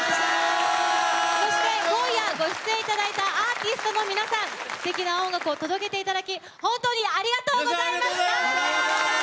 そして、今夜ご出演いただいたアーティストの皆さんすてきな音楽を届けていただき本当にありがとうございました！